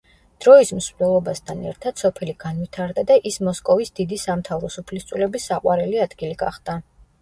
დროის მსვლელობასთან ერთად, სოფელი განვითარდა და ის მოსკოვის დიდი სამთავროს უფლისწულების საყვარელი ადგილი გახდა.